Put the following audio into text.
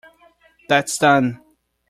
That’s done.